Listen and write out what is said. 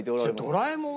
ドラえもん？